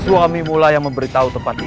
suamimulai yang memberitahu tempat ini